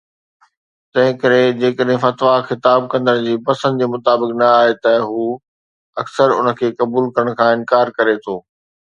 تنهن ڪري، جيڪڏهن فتوي خطاب ڪندڙ جي پسند جي مطابق نه آهي، ته هو اڪثر ان کي قبول ڪرڻ کان انڪار ڪري ٿو